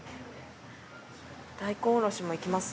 大根おろしもいきます。